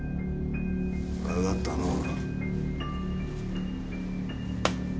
分かったのう。